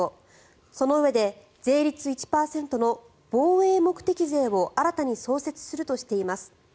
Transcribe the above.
そのうえで税率１％の防衛目的税を新たに創設するとしています。